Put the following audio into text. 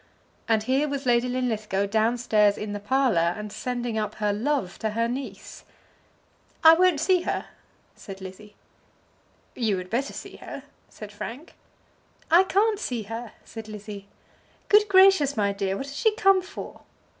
And here was Lady Linlithgow down stairs in the parlour, and sending up her love to her niece! "I won't see her!" said Lizzie. "You had better see her," said Frank. "I can't see her!" said Lizzie. "Good gracious, my dear what has she come for?"